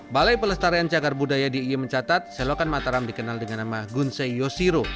balai pelestarian cagar budaya di ie mencatat selokan mataram dikenal dengan nama gunsei yoshiro